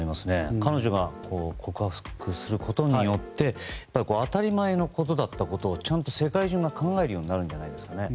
彼女が告白することによって当たり前のことだったことをちゃんと世界中が考えるようになるんじゃないですかね。